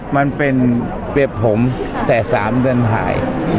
มันเป็นเปรียบผมแต่๓เดือนหาย